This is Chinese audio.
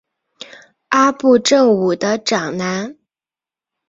阿部正武的长男。